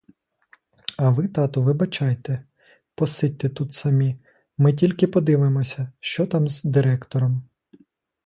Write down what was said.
А ви, тату, вибачайте, посидьте тут самі, ми тільки подивимося, що там з директором.